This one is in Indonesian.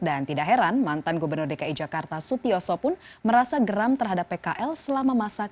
dan tidak heran mantan gubernur dki jakarta sutioso pun merasa geram terhadap pkl selama masa kelima